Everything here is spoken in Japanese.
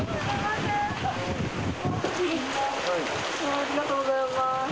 ありがとうございます。